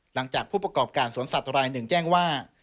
หลังจากผู้ประกอบการสวนสัตว์รายหนึ่งแจ้งว่า